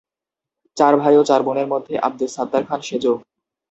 চার ভাই ও চার বোনের মধ্যে আব্দুস সাত্তার খান সেজ।